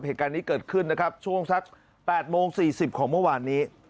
เหตุการณ์นี้เกิดขึ้นนะครับช่วงสัก๘โมง๔๐ของเมื่อวานนี้